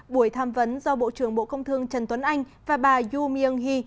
buổi tham vấn do bộ trưởng bộ công thương trần tuấn anh và bà yu myung hee